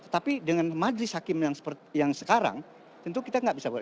tapi dengan majlis hakim yang sekarang tentu kita tidak bisa berdua